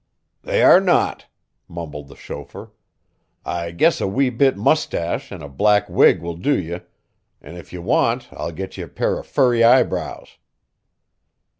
"They are not," mumbled the chauffeur. "I guess a wee bit mustache an' a black wig will do ye, an' if ye want I'll get ye a pair of furry eyebrows."